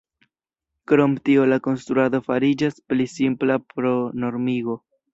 Krom tio la konstruado fariĝas pli simpla pro normigo.